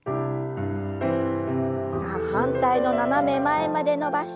さあ反対の斜め前まで伸ばして戻します。